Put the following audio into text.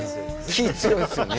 気ぃ強いっすよね。